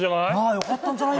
よかったんじゃない？